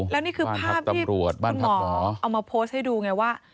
แล้วนี่คือภาพที่คุณหมอเอามาโพสต์ให้ดูไงว่า